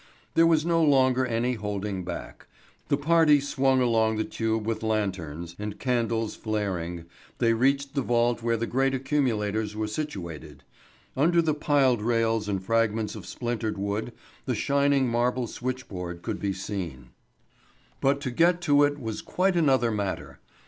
There was no longer any holding back. The party swung along the tube with lanterns, and candles flaring, they reached the vault where the great accumulators were situated. Under the piled rails and fragments of splintered wood, the shining marble switchboard could be seen. But to get to it was quite another matter.